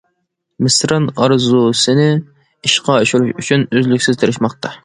مىسران ئارزۇسىنى ئىشقا ئاشۇرۇش ئۈچۈن ئۈزلۈكسىز تىرىشماقتا.